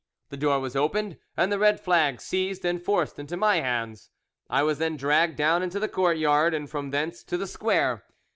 The door was opened, and the red flag seized and forced into my hands. I was then dragged down into the courtyard, and from thence to the square.